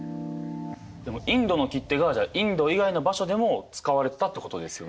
でもインドの切手がじゃあインド以外の場所でも使われてたってことですよね。